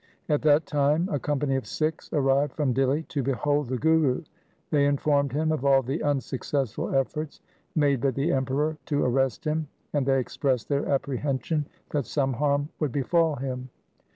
At that time a company of Sikhs arrived from Dihli to behold the Guru. They informed him of all the unsuccessful efforts made by the Emperor to arrest him, and they expressed their apprehension that some harm would befall him.